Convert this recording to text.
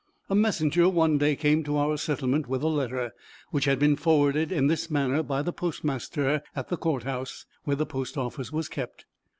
A messenger one day came to our settlement with a letter, which had been forwarded in this manner, by the postmaster at the Court House, where the post office was kept.